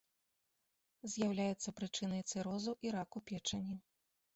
З'яўляецца прычынай цырозу і раку печані.